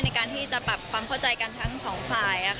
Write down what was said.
ในการที่จะปรับความเข้าใจกันทั้งสองฝ่าย